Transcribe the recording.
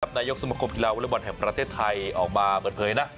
นายกสมคมกีฬาวอเล็กบอลแห่งประเทศไทยออกมาเปิดเผยนะ